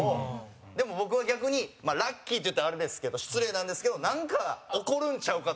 でも、僕は逆にラッキーって言ったら、あれですけど失礼なんですけどなんか起こるんちゃうかと。